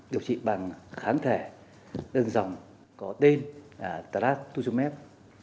điều trị bằng kháng thể đơn giọng có tên trastuzumab